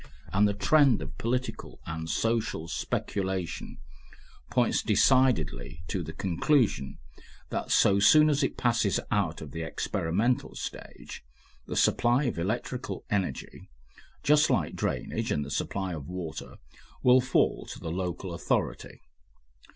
And the trend of political and social speculation points decidedly to the conclusion that so soon as it passes out of the experimental stage, the supply of electrical energy, just like drainage and the supply of water, will fall to the local authority.